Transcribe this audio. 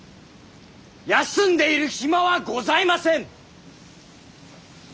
休んでいる暇はございません！